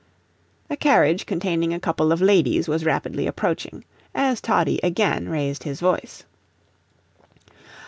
A carriage containing a couple of ladies was rapidly approaching, as Toddie again raised his voice.